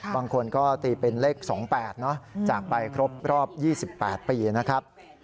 บางคนก็ตีเป็นเลข๒๘จากไปครบรอบ๒๘ปีนะครับ